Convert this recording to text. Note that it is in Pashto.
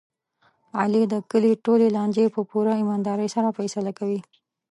علي د کلي ټولې لانجې په پوره ایماندارۍ سره فیصله کوي.